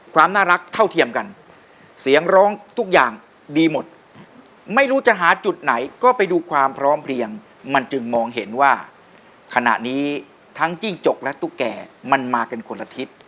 ความน่ารักเท่าเทียมกันเสียงร้องทุกอย่างดีหมด